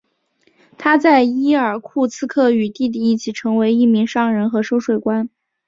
他在伊尔库茨克与弟弟一起成为一名商人和收税官。